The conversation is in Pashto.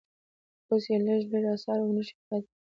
اوس یې لږ لږ اثار او نښې پاتې دي.